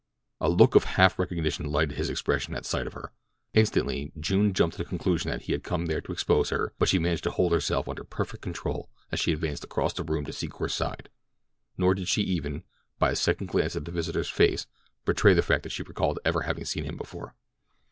A look of half recognition lighted his expression at sight of her. Instantly June jumped to the conclusion that he had come there to expose her but she managed to hold herself under perfect control as she advanced across the room to Secor's side, nor did she even, by a second glance at the visitor's face, betray the fact that she recalled ever having seen him before.